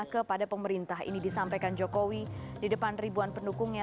kepada pemerintah ini disampaikan jokowi di depan ribuan pendukungnya